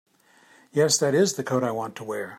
Yes, that IS the coat I want to wear.